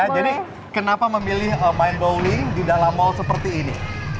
jadi kenapa memilih main bowling di dalam mall seperti ini